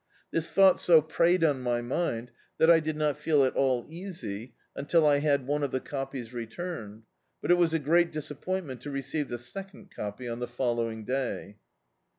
This thought so preyed on my mind that I did not fee] at all easy until I had one of the copies returned; but it was a great disappointment to re ceive the second copy on the following day.